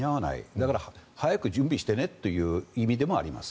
だから早く準備してねという意味でもあります。